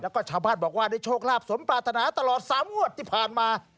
แล้วก็ชาวบ้านบอกว่าได้โชคลาภสมปรารถนาตลอด๓งวดที่ผ่านมา